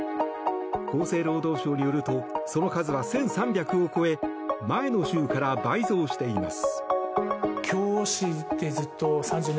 厚生労働省によるとその数は１３００を超え前の週から倍増しています。